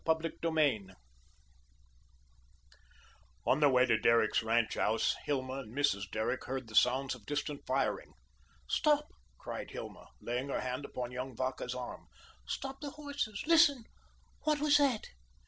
CHAPTER VII On their way to Derrick's ranch house, Hilma and Mrs. Derrick heard the sounds of distant firing. "Stop!" cried Hilma, laying her hand upon young Vacca's arm. "Stop the horses. Listen, what was that?"